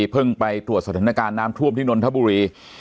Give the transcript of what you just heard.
ไปตรวจสถานการณ์น้ำท่วมที่นนทบุรี